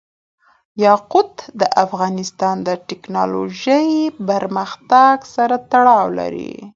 یاقوت د افغانستان د تکنالوژۍ پرمختګ سره تړاو لري.